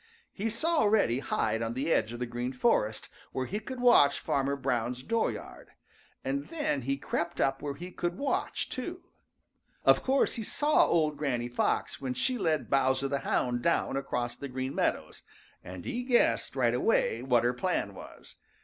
He saw Reddy hide on the edge of the Green Forest where he could watch Farmer Brown's dooryard, and then he crept up where he could watch too. Of course he saw old Granny Fox when she led Bowser the Hound down across the Green Meadows, and he guessed right away what her plan was.